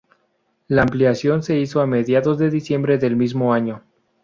La ampliación se hizo a medios de diciembre del mismo año.